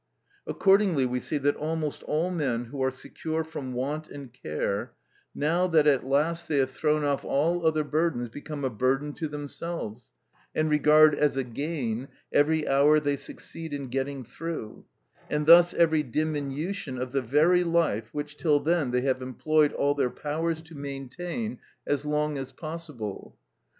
Accordingly we see that almost all men who are secure from want and care, now that at last they have thrown off all other burdens, become a burden to themselves, and regard as a gain every hour they succeed in getting through; and thus every diminution of the very life which, till then, they have employed all their powers to maintain as long as possible.